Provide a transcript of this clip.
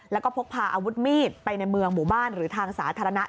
แล้วก็พกพาอาวุธมีดไปในเมืองหมู่บ้านหรือทางสาธารณะ